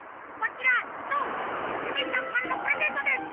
ゆめちゃんからのプレゼントです。